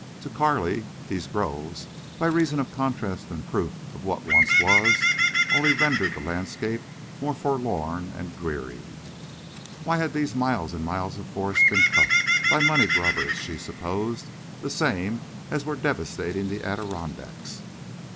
To Carley these groves, by reason of contrast and proof of what once was, only rendered the landscape more forlorn and dreary. Why had these miles and miles of forest been cut? By money grubbers, she supposed, the same as were devastating the Adirondacks.